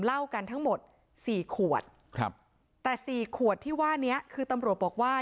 เล่ากันทั้งหมด๔ขวดแต่๔ขวดที่ว่าเนี่ยคือตำรวจบอกว่า